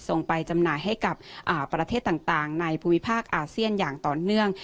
ไปจำหน่ายให้กับประเทศต่างในภูมิภาคอาเซียนอย่างต่อเนื่อง